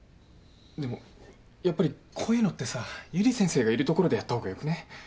でもやっぱりこういうのってさゆり先生がいる所でやった方がよくねえ？